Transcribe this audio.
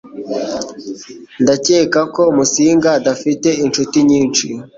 Ndakeka ko Musinga adafite inshuti nyinshi.